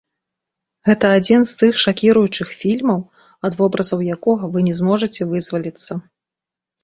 Гэта адзін з тых шакіруючых фільмаў, ад вобразаў якога вы не зможаце вызваліцца.